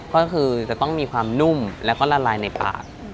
ก็คือจะต้องมีความนุ่มแล้วก็ละลายในปาก